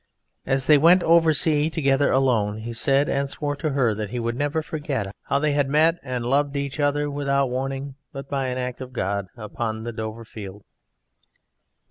As they went over sea together alone, he said and swore to her that he would never forget how they had met and loved each other without warning, but by an act of God, upon the Dovrefjeld.